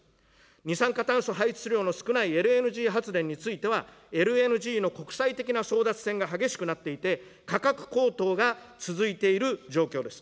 二酸化炭素排出量の少ないＬＮＧ発電については、ＬＮＧの国際的な争奪戦が激しくなっていて、価格高騰が続いている状況です。